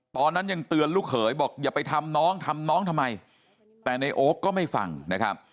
ตอนนั้นยังเตือนลูกเขยบอกอย่าไปทำน้องทำน้องทำไมแต่ในโอ๊คก็ไม่ฟังนะครับ